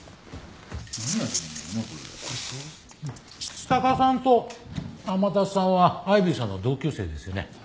橘高さんと天達さんはアイビーさんの同級生ですよね？